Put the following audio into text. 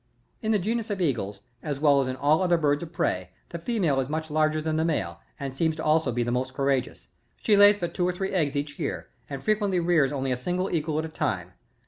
43. In the genus of Eagles, as well as in all other birds of prey, the female is much larger than the male, and seems to be also the most courageous. She lays but two or three eggs every year, and frequently rears only a single eagle at a time.